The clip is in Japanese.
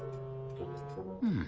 うん。